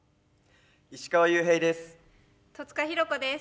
石川裕平です。